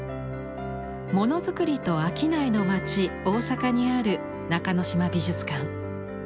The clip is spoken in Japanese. ものづくりと商いの町大阪にある中之島美術館。